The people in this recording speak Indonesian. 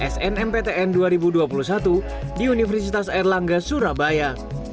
snmptn dua ribu dua puluh satu di universitas airlangga surabaya